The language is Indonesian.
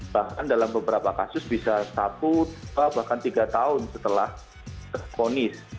bahkan dalam beberapa kasus bisa satu dua bahkan tiga tahun setelah terponis